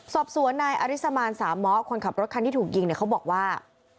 สอบสวนนายอริสมานสามะคนขับรถคันที่ถูกยิงเนี่ยเขาบอกว่า